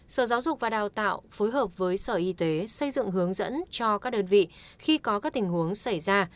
sở giáo dục và đào tạo phối hợp với sở y tế xây dựng hướng dẫn cho các đơn vị khi có các tình huống xảy ra